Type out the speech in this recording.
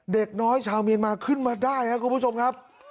เด็กน้อยชาวเมียนมาขึ้นมาได้ครับคุณผู้ชมครับ